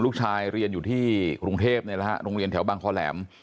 ลูกชายเรียนอยู่ที่กรุงเทพนี่แหละฮะโรงเรียนแถวบางคอแหลม